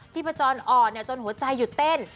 ที่ประจอนอ่อนเนี่ยจนหัวใจหยุดเต้น